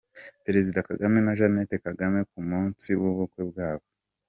Perezida Kagame na Jeannette Kagame ku munsi w'ubukwe bwabo.